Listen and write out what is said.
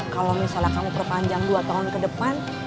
kalau misalnya kamu perpanjang dua tahun ke depan